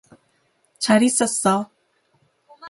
잘 있었어.